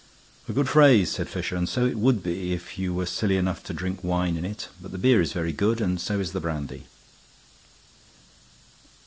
"A good phrase," said Fisher, "and so it would be if you were silly enough to drink wine in it. But the beer is very good, and so is the brandy."